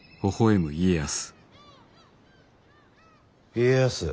家康。